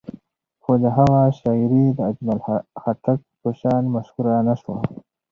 خو د هغه شاعري د اجمل خټک په شان مشهوره نه شوه.